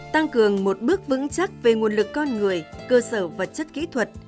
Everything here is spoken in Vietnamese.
tăng cường một bước vững chắc về nguồn lực con người cơ sở vật chất kỹ thuật